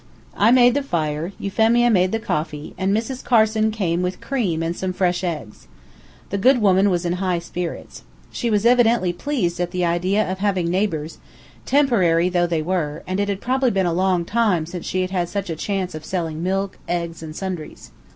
I made the fire, Euphemia made the coffee, and Mrs. Carson came with cream and some fresh eggs. The good woman was in high spirits. She was evidently pleased at the idea of having neighbors, temporary though they were, and it had probably been a long time since she had had such a chance of selling milk, eggs and sundries.